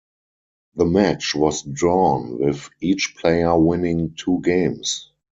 The match was drawn with each player winning two games.